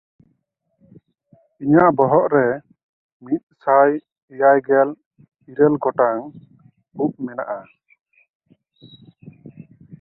ᱤᱧᱟᱜ ᱵᱚᱦᱚᱜ ᱨᱮ ᱢᱤᱫᱥᱟᱭ ᱮᱭᱟᱭᱜᱮᱞ ᱤᱨᱟᱹᱞ ᱜᱚᱴᱟᱝ ᱩᱵ ᱢᱮᱱᱟᱜᱼᱟ᱾